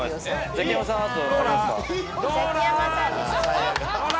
ザキヤマさんと。